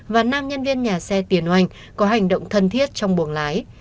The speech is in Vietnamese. và nam nhân viên nhà xe tiền oanh có hành động thân thiết trong buồng lái